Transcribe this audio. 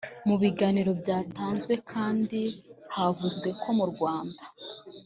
Mu biganiro byatanzwe kandi havuzwe ko mu Rwanda